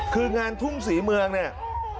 คืองานทุ่งศรีเมืองเนี่ย